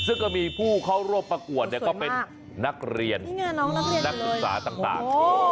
ซึ่งก็มีผู้เข้าร่วมประกวดเนี่ยก็เป็นนักเรียนนักศึกษาต่าง